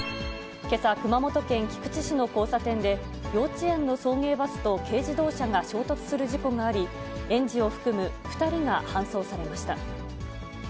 けさ、熊本県菊池市の交差点で、幼稚園の送迎バスと軽自動車が衝突する事故があり、園児を含む２人が搬送されました。